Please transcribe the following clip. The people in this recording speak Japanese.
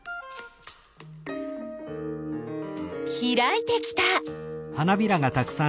ひらいてきた。